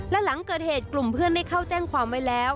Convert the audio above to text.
และหลังเกิดเหตุกลุ่มเพื่อนได้เข้าแจ้งความไว้แล้ว